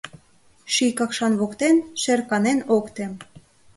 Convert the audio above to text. Ший Какшан воктен шер канен ок тем.